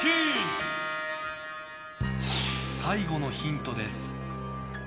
最後のヒントです。